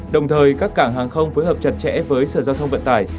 đồng thời các cảng hàng không phối hợp chặt chẽ với sở giao thông vận tải